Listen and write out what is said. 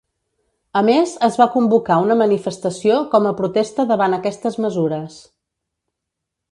A més, es va convocar una manifestació com a protesta davant aquestes mesures.